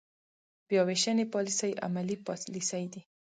بیا وېشنې پاليسۍ عملي پاليسۍ دي.